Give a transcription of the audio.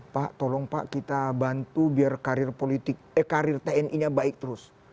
pak tolong pak kita bantu biar karir tni nya baik terus